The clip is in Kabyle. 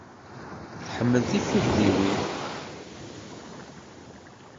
Tḥemmel tifugliwin.